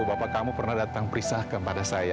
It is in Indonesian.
bapak kamu pernah datang perisahkan pada saya